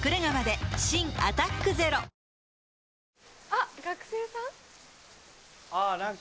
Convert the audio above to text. あっ学生さん？